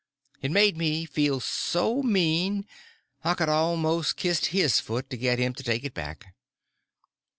It made me feel so mean I could almost kissed his foot to get him to take it back.